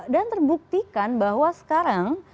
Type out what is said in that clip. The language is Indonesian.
dan terbuktikan bahwa sekarang